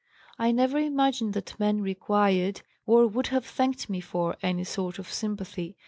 I never imagined that men required, or would have thanked me for, any sort of sympathy.